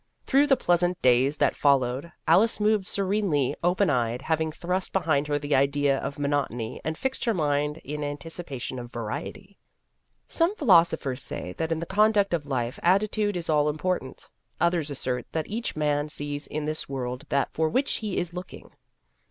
Through the pleasant days that fol lowed, Alice moved serenely open eyed, having thrust behind her the idea of monotony and fixed her mind in anticipa tion of variety. Some philosophers say that in the conduct of life attitude is all important. Others assert that each man sees in this world that for which he is looking.